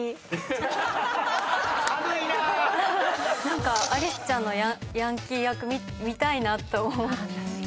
何かアリスちゃんのヤンキー役見たいなと思ったり。